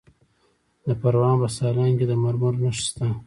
د پروان په سالنګ کې د مرمرو نښې شته.